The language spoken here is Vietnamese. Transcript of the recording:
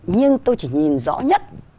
nhưng tôi chỉ nhìn rõ nhất